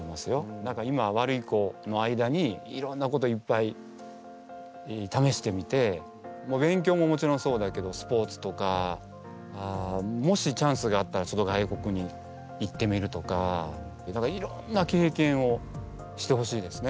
だから今ワルイコの間にいろんなこといっぱいためしてみて勉強ももちろんそうだけどスポーツとかもしチャンスがあったら外国に行ってみるとかいろんな経験をしてほしいですね